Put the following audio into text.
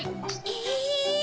え！